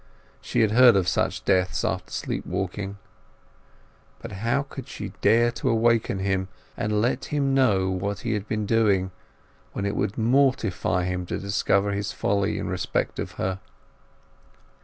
She had heard of such deaths after sleep walking. But how could she dare to awaken him, and let him know what he had been doing, when it would mortify him to discover his folly in respect of her?